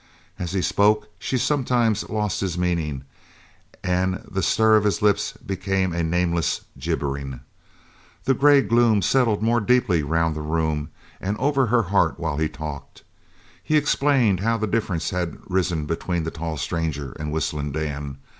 As he spoke she sometimes lost his meaning and the stir of his lips became a nameless gibbering. The grey gloom settled more deeply round the room and over her heart while he talked. He explained how the difference had risen between the tall stranger and Whistling Dan.